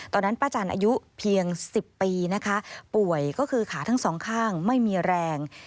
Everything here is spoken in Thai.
ตอนนั้นป้าจันทร์อายุเพียง๑๐ปีนะคะป่วยก็คือขาทั้งสองข้างไม่มีแรง